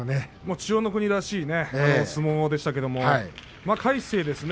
千代の国らしい相撲でしたけれどもまあ、魁聖ですね